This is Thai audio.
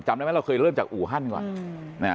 ได้ไหมเราเคยเริ่มจากอู่ฮั่นก่อน